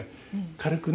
軽くね。